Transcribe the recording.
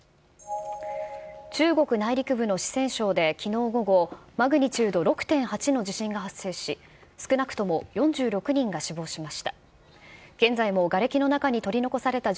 中国内陸部の四川省できのう午後、マグニチュード６．８の地震が発生し、少なくとも４６人が死亡しました。